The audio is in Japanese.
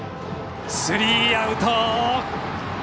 スリーアウト。